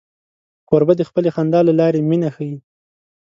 کوربه د خپلې خندا له لارې مینه ښيي.